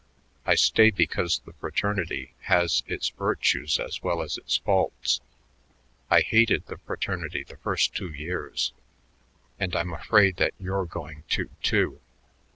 I stay because the fraternity has its virtues as well as its faults. I hated the fraternity the first two years, and I'm afraid that you're going to, too.